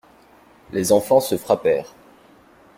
Les enfants se frappèrent.